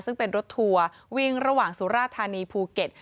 ซึ่งเป็นรถทัวร์วิ่งระหว่างสุราธานีภูเก็ต